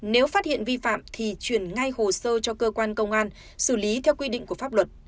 nếu phát hiện vi phạm thì chuyển ngay hồ sơ cho cơ quan công an xử lý theo quy định của pháp luật